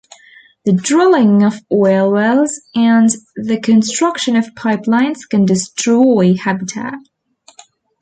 The drilling of oil wells and the construction of pipelines can destroy habitat.